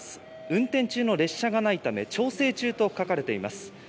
運転中の列車がないため、調整中と書かれています。